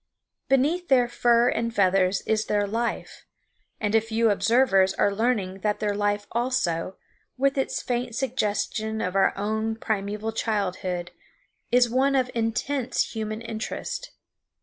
Beneath their fur and feathers is their life; and a few observers are learning that their life also, with its faint suggestion of our own primeval childhood, is one of intense human interest.